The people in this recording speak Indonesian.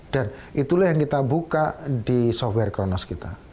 dan itulah yang kita buka di software kronos kita